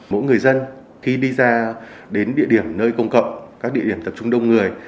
mỗi người dân khi đi ra đến địa điểm nơi công cộng các địa điểm tập trung đông người